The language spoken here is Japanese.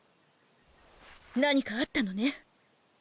何かあったのね！